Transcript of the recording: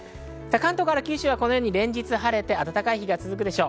関東から九州は連日晴れて暖かい日が続くでしょう。